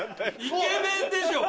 ⁉イケメンでしょ！